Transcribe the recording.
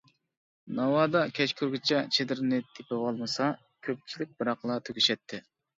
ناۋادا، كەچ كىرگۈچە چېدىرنى تېپىۋالمىسا، كۆپچىلىك بىراقلا تۈگىشەتتى.